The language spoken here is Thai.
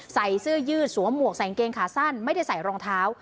ใส่เสื้อยืดสวมหมวกใส่กางเกงขาสั้นไม่ได้ใส่รองเท้า